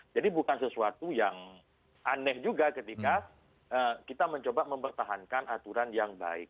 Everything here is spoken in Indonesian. jadi bukan sesuatu yang aneh juga ketika kita mencoba mempertahankan aturan yang baik